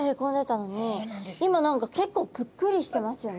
今何か結構ぷっくりしてますよね。